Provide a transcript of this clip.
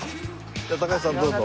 じゃあ高橋さんどうぞ。